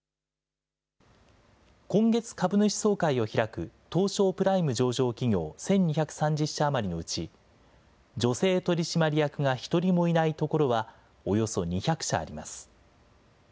今月、株主総会を開く東証プライム上場企業１２３０社余りのうち、女性取締役が１人もいないところは、およそ２００社あります。